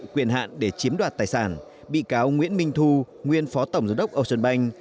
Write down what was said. quyền hạn để chiếm đoạt tài sản bị cáo nguyễn minh thu nguyên phó tổng giám đốc ocean bank